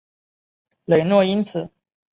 雷诺因此守住车队排名第四的位子。